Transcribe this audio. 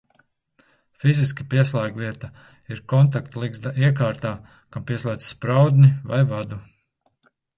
Fiziski pieslēgvieta ir kontaktligzda iekārtā, kam pieslēdz spraudni vai vadu.